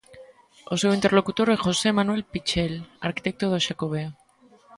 O seu interlocutor é José Manuel Pichel, arquitecto do Xacobeo.